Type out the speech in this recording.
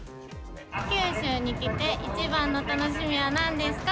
九州に来ていちばんの楽しみはなんですか。